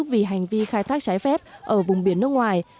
vì hành vi khai thác trái phép ở vùng biển nước ngoài